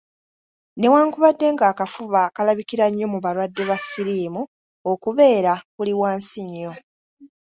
Newankubadde ng’akafuba kalabikira nnyo mu balwadde ba siriimu, okubeera kuli wansi nnyo.